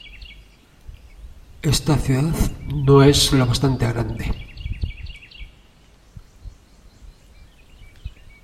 Esta ciudad no es lo bastante grande